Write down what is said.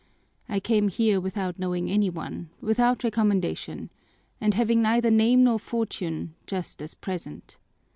I came here without knowing any one, without recommendation, and having neither name nor fortune, just as at present.